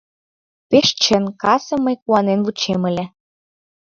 — Пеш чын, кассым мый куанен кучем ыле!